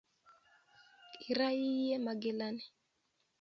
Ira iyie magilani